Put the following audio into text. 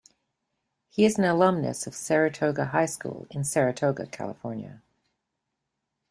He is an alumnus of Saratoga High School in Saratoga, California.